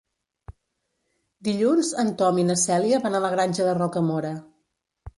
Dilluns en Tom i na Cèlia van a la Granja de Rocamora.